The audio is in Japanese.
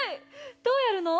どうやるの？